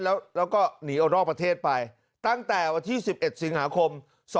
แล้วก็หนีออกนอกประเทศไปตั้งแต่วันที่๑๑สิงหาคม๒๕๖